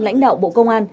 lãnh đạo bộ công an